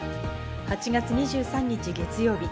８月２３日、月曜日。